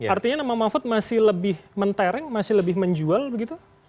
artinya nama mahfud masih lebih mentereng masih lebih menjual begitu